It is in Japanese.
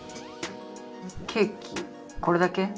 ケーキこれだけ？